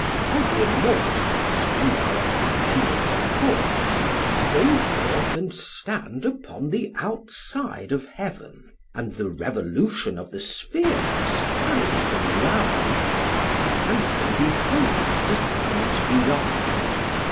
For the immortals, when they are at the end of their course, go forth and stand upon the outside of heaven, and the revolution of the spheres carries them round, and they behold the things beyond.